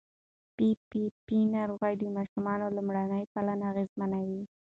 پي پي پي ناروغي د ماشوم لومړني پالنې اغېزمنوي.